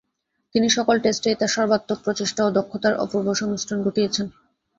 তিনি সকল টেস্টেই তাঁর সর্বাত্মক প্রচেষ্টা ও দক্ষতার অপূর্ব সংমিশ্রণ ঘটিয়েছেন।